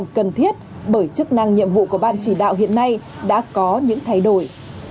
cần thiết bởi chức năng nhiệm vụ của ban chỉ đạo hiện nay đã có những thay đổi